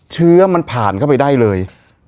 เชื้อมันผ่านเข้าไปได้เลย